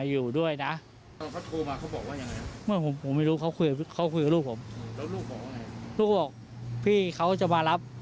ลูกจะมาปรึกษาหรือไม่ครับ